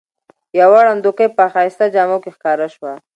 یوه ړندوکۍ په ښایسته جامو کې ښکاره شوه.